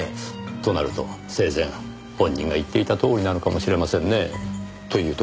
となると生前本人が言っていたとおりなのかもしれませんね。というと？